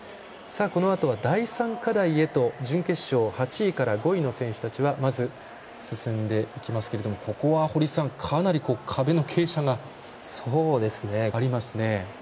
このあと第３課題へと準決勝、５位から８位の選手はまず、進んでいきますけれどもここは、堀さんかなり、壁の傾斜がありますね。